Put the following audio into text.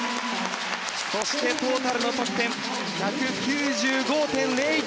そして、トータルの得点は１９５．０１。